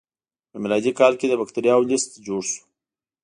په میلادي کال کې د بکتریاوو لست جوړ شو.